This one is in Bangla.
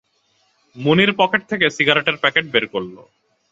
মুনির পকেট থেকে সিগারেটের প্যাকেট বের করল।